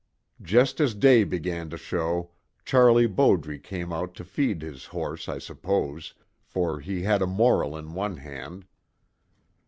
Just as day began to show, Charlie Bowdre came out to feed his horse, I suppose, for he had a moral in one hand.